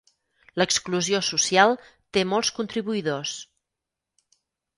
L'exclusió social té molts contribuïdors.